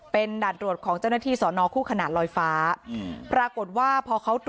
เป็นด่านตรวจของเจ้าหน้าที่ซอนองคู่ขนาดลอยฟ้า